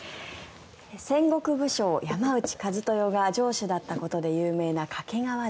戦国武将、山内一豊が城主だったことで有名な掛川城。